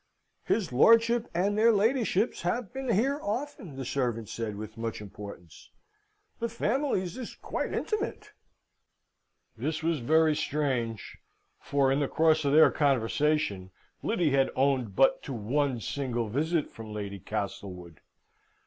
"His lordship and their ladyships have been here often," the servant said, with much importance. "The families is quite intimate." This was very strange; for, in the course of their conversation, Lyddy had owned but to one single visit from Lady Castlewood.